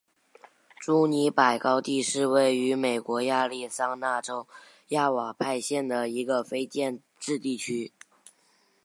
朱尼珀高地是位于美国亚利桑那州亚瓦派县的一个非建制地区。